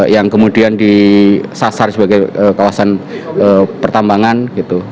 yang kemudian disasar sebagai kawasan pertambangan gitu